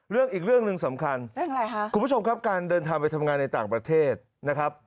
เรื่องอีกเรื่องหนึ่งสำคัญคุณผู้ชมครับการเดินทางไปทำงานในต่างประเทศนะครับ